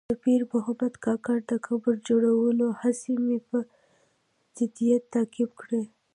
د پیر محمد کاکړ د قبر جوړولو هڅې مې په جدیت تعقیب کړې.